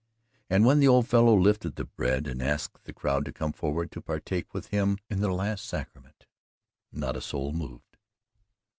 And when the old fellow lifted the bread and asked the crowd to come forward to partake with him in the last sacrament, not a soul moved.